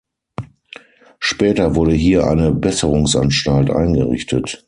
Später wurde hier eine Besserungsanstalt eingerichtet.